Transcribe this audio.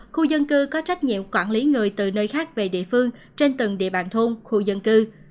tư có trách nhiệm quản lý người từ nơi khác về địa phương trên từng địa bàn thôn khu dân cư